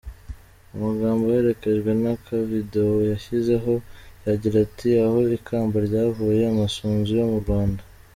Amagambo aherekejwe n’akavidewo yashyizeho, yagiraga ati “Aho ikamba ryavuye: Amasunzu yo mu Rwanda.